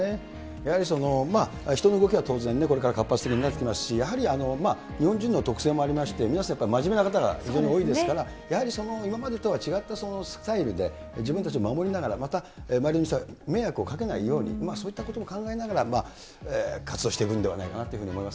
やはり、人の動きは当然、これから活発的になってきますし、やはり、日本人の特性もありまして、皆さん、やっぱり真面目な方が非常に多いですから、やはり今までとは違ったスタイルで、自分たちを守りながら、また周りの人に迷惑をかけないように、そういったことも考えながら、活動していくんではないかなというふうに思います。